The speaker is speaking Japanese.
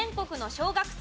小学生。